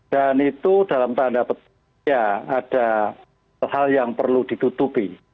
dan itu dalam tanda ada hal yang perlu ditutupi